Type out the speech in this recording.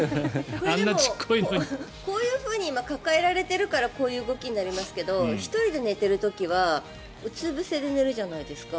これ、でもこういうふうに抱えられているからこういう動きになりますけど１人で寝ている時はうつぶせで寝るじゃないですか。